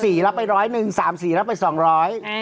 ๒สีรับไปร้อยหนึ่ง๓สีรับไปสองร้อย